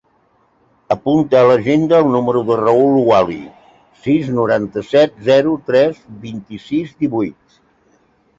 Apunta a l'agenda el número del Raül Ouali: sis, noranta-set, zero, tres, vint-i-sis, divuit.